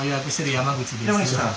山口さん。